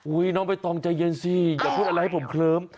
น้องใบตองใจเย็นสิอย่าพูดอะไรให้ผมเคลิ้ม